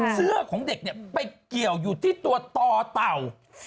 เสื้อของเด็กเนี่ยไปเกี่ยวอยู่ที่ตัวต่อเต่า